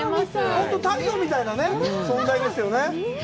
本当に太陽みたいな存在ですよね。